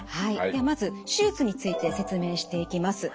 ではまず手術について説明していきます。